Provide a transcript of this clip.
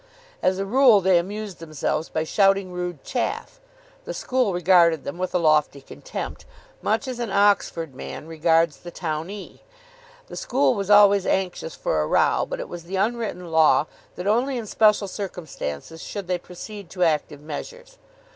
As a rule, they amused themselves by shouting rude chaff. The school regarded them with a lofty contempt, much as an Oxford man regards the townee. The school was always anxious for a row, but it was the unwritten law that only in special circumstances should they proceed to active measures.